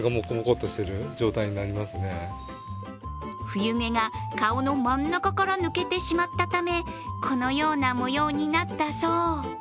冬毛が顔の真ん中から抜けてしまったためこのような模様になったそう。